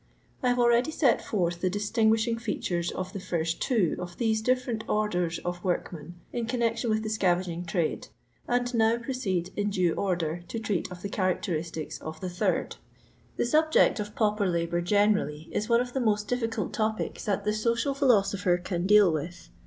I have slready set forth the distinguishing features of the first two of these different orders of workmen in connection with the scavaging trade, and now proceed in ^e order to treat of the characteristics of the third. The subject of pauper labour generally is one of the most difficult topics that the social philo sopher can deal with.